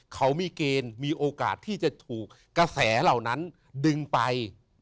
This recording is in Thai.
เขามีเกณฑ์มีโอกาสที่จะถูกกระแสเหล่านั้นดึงไป